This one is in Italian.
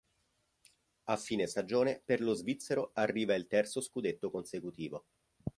A fine stagione, per lo svizzero arriva il terzo scudetto consecutivo.